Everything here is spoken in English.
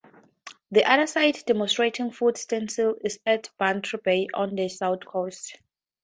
The other site demonstrating foot stencils is at Bantry Bay on the South Coast.